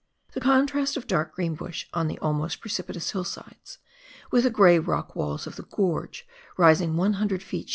The contrast of dark green bush on the almost precipitous hillsides, with the grey rock walls of the gorge, rising 100 ft.